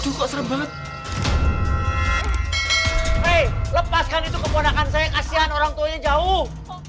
lepaskan itu kebonakan saya kasihan orangtuanya jauh